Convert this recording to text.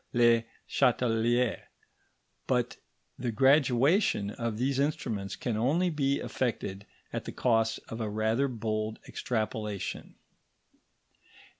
le Chatelier; but the graduation of these instruments can only be effected at the cost of a rather bold extrapolation.